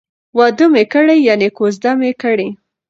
واده می کړی ،یعنی کوزده می کړې